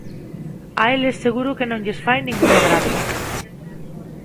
A eles seguro que non lles fai ningunha graza.